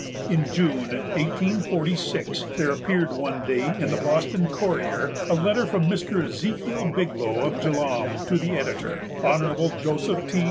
In June, 1846, there appeared one day in the Boston Courier a letter from Mr. Ezekiel Biglow of Jaalam to the editor, Hon. Joseph T.